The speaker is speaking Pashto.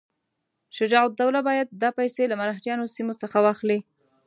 شجاع الدوله باید دا پیسې له مرهټیانو سیمو څخه واخلي.